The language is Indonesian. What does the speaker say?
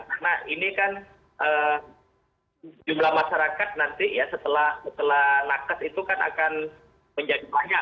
karena ini kan jumlah masyarakat nanti ya setelah nakas itu kan akan menjadi banyak